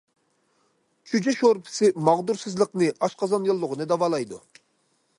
چۈجە شورپىسى ماغدۇرسىزلىقنى، ئاشقازان ياللۇغىنى داۋالايدۇ.